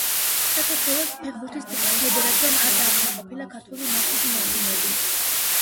საქართველოს ფეხბურთის ფედერაციამ არ დააკმაყოფილა „ქართული მარშის“ მოთხოვნები.